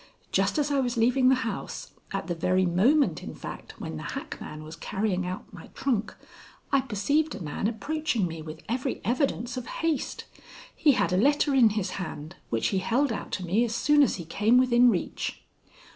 Just as I was leaving the house at the very moment, in fact, when the hackman was carrying out my trunk, I perceived a man approaching me with every evidence of haste. He had a letter in his hand, which he held out to me as soon as he came within reach.